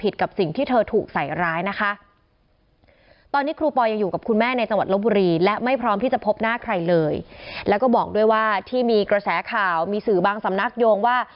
ด้วยว่าที่มีกระแสข่าวมีสื่อบางสำนักโยงว่า